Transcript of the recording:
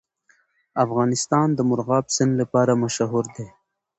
افغانستان د مورغاب سیند لپاره مشهور دی.